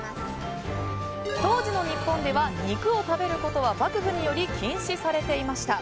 当時の日本では肉を食べることは幕府により禁止されていました。